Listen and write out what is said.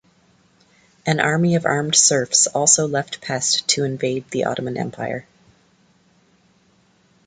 An army of armed serfs also left Pest to invade the Ottoman Empire.